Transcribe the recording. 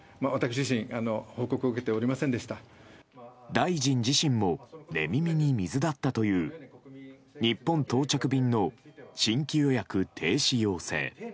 大臣自身も寝耳に水だったという日本到着便の新規予約停止要請。